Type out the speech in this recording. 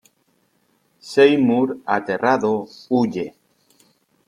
Seymour aterrado, huye.